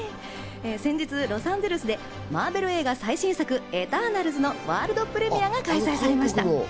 先日、ロサンゼルスでマーベル映画最新作『エターナルズ』のワールドプレミアが開催されました。